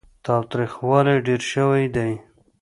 تاوتريخوالی ډېر شوی دی.